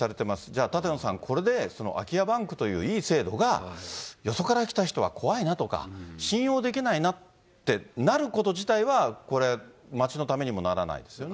じゃあ、舘野さん、これで空き家バンクといういい制度が、よそから来た人は怖いなとか、信用できないなってなること自体は、これ、町のためにもならないですよね。